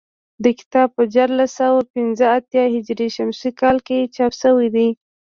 دا کتاب په دیارلس سوه پنځه اتیا هجري شمسي کال کې چاپ شوی دی